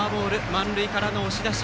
満塁からの押し出し